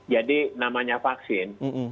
jadi namanya vaksin